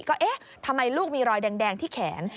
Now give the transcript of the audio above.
ก็เอ๊ะทำไมลูกมีรอยแดงที่แขน